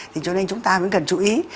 thì cho nên chúng ta vẫn cần chú ý